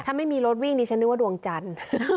ถ้าไม่มีรถวิ่งดิฉันนึกว่าดวงจันทร์